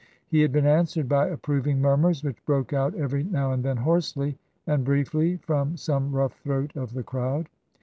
He had been answered by approving murmurs, which broke out every now and then hoarsely and briefly from some rough throat of the crowd.